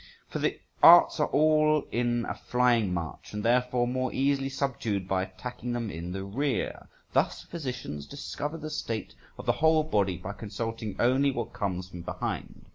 For the arts are all in a flying march, and therefore more easily subdued by attacking them in the rear. Thus physicians discover the state of the whole body by consulting only what comes from behind.